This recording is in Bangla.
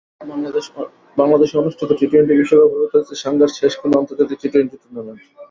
বাংলাদেশে অনুষ্ঠিত টি-টোয়েন্টি বিশ্বকাপই হয়ে থাকছে সাঙ্গার শেষ কোনো আন্তর্জাতিক টি-টোয়েন্টি টুর্নামেন্ট।